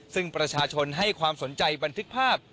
ซึ่งประชาชนให้ความสนใจบันทึกภาพ